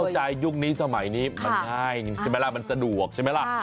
เข้าใจยุคนี้สมัยนี้มันง่ายมันสะดวกใช่ไหมล่ะ